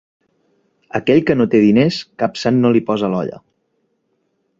Aquell que no té diners, cap sant no li posa l’olla.